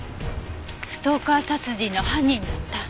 ストーカー殺人の犯人だった。